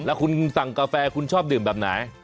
แล้วคุณสั่งกาแฟคุณชอบดื่มแบบไหน